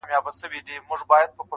خو زاړه کيسې لا هم اوري،